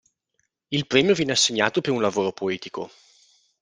Il premio viene assegnato per un lavoro poetico.